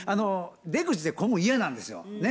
出口で混む嫌なんですよね。